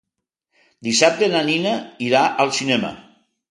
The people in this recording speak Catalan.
Dissabte na Nina irà al cinema.